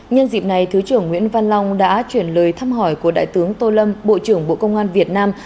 nhân dịp này thứ trưởng nguyễn văn long đã chuyển lời thăm hỏi của đại tướng tô lâm bộ trưởng bộ công an việt nam